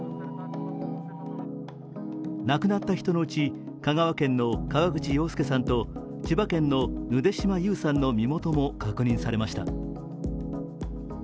亡くなった人のうち、香川県の河口洋介さんと千葉県のぬで島優さんの身元も確認されました。